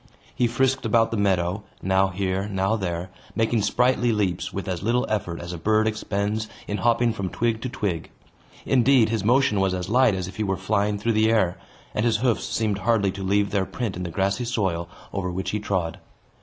He frisked about the meadow, now here, now there, making sprightly leaps, with as little effort as a bird expends in hopping from twig to twig. Indeed, his motion was as light as if he were flying through the air, and his hoofs seemed hardly to leave their print in the grassy soil over which he trod.